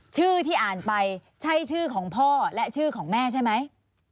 ชื่อที่อ่านไปใช่ชื่อของพ่อและชื่อของแม่ใช่ไหม